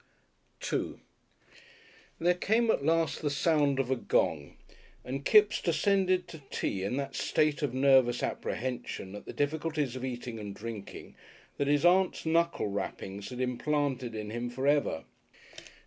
§2 There came at last the sound of a gong and Kipps descended to tea in that state of nervous apprehension at the difficulties of eating and drinking that his Aunt's knuckle rappings had implanted in him forever.